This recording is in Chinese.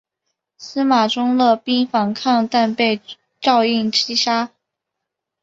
司马宗勒兵反抗但被赵胤击杀。